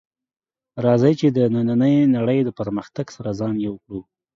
راځئ چې د نننۍ نړۍ د پرمختګ سره ځان یو کړو